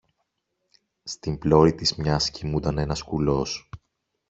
Στην πλώρη της μιας κοιμούνταν ένας κουλός